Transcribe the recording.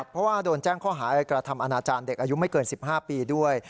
เพราะว่าโดนแจ้งข้อหากระทำอนาจารย์เด็กอายุไม่เกิน๑๕ปีด้วย